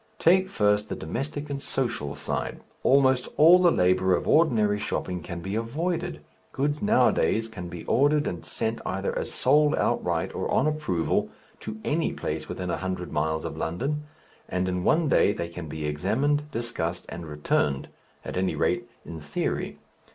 Take first the domestic and social side; almost all the labour of ordinary shopping can be avoided goods nowadays can be ordered and sent either as sold outright, or on approval, to any place within a hundred miles of London, and in one day they can be examined, discussed, and returned at any rate, in theory.